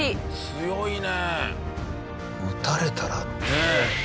強いね！